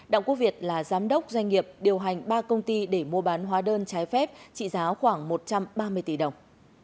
đặng quốc việt là giám đốc doanh nghiệp điều hành ba công ty để mua bán hóa đơn trái phép trị giá khoảng một trăm ba mươi tỷ đồng